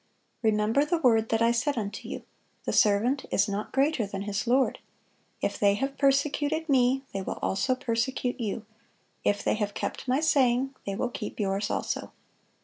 Remember the word that I said unto you, The servant is not greater than his Lord. If they have persecuted Me, they will also persecute you; if they have kept My saying, they will keep yours also."